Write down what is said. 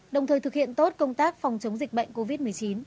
đồng thời thực hiện tốt công tác phòng chống dịch bệnh covid một mươi chín